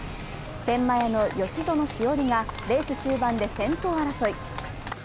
天満屋の吉薗栞がレース終盤で先頭争い。